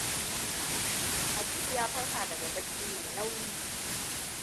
Habibu ya farka daga barci mai nauyi.